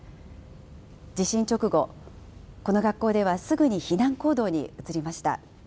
地震直後、この学校ではすぐに避難行動に移りました。